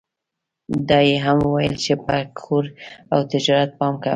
دا يې هم وويل چې پر کور او تجارت پام کوه.